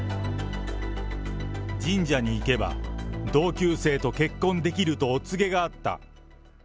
神社に行けば、同級生と結婚できるとお告げがあった。